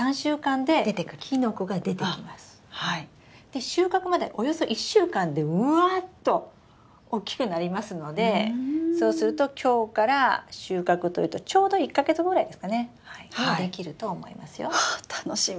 で収穫までおよそ１週間でうわっと大きくなりますのでそうすると今日から収穫というとちょうど１か月ぐらいですかねにできると思いますよ。は楽しみ！